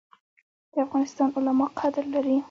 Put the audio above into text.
د افغانستان علما قدر لري